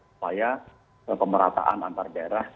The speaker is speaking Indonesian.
supaya kemerataan antar daerah